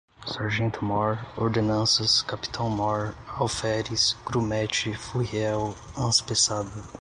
Sargento-Mor, Ordenanças, Capitão-Mor, Alferes, Grumete, Furriel, Anspeçada